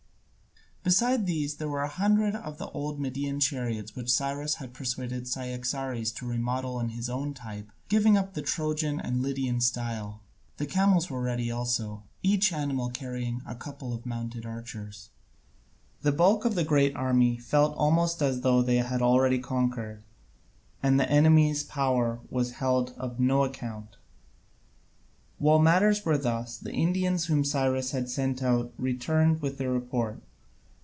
Beside these there were a hundred of the old Median chariots which Cyrus had persuaded Cyaxares to remodel on his own type, giving up the Trojan and Lydian style. The camels were ready also, each animal carrying a couple of mounted archers. The bulk of the great army felt almost as though they had already conquered, and the enemy's power was held of no account. While matters were thus, the Indians whom Cyrus had sent out returned with their report.